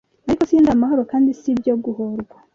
Ariko si ndi amahoro kandi si ibyo guhorwa